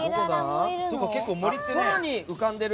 空に浮かんでる？